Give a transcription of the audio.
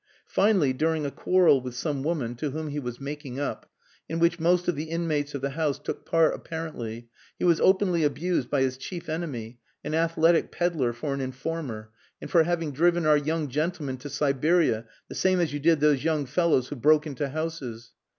Finally, during a quarrel with some woman (to whom he was making up), in which most of the inmates of the house took part apparently, he was openly abused by his chief enemy, an athletic pedlar, for an informer, and for having driven "our young gentleman to Siberia, the same as you did those young fellows who broke into houses."